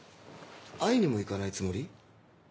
会いにも行かないつもり？